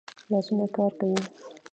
لاسونه کار کوي